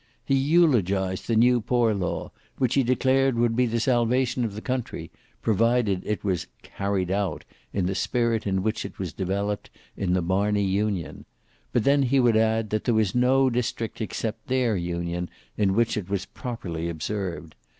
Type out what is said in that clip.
He eulogized the new poor law, which he declared would be the salvation of the country, provided it was "carried out" in the spirit in which it was developed in the Marney Union; but then he would add that there was no district except their union in which it was properly observed.